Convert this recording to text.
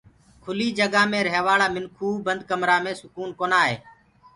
کُلي جگآ مينٚ ريهوآݪآ مِنکوُ بند ڪمرآ مي سڪون ڪونآ آئي